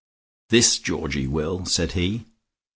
"This Georgie will," said he.